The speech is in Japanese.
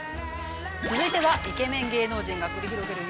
◆続いては、イケメン芸能人が繰り広げる